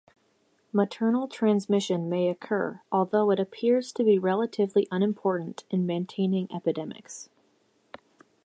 Maternal transmission may occur, although it appears to be relatively unimportant in maintaining epidemics.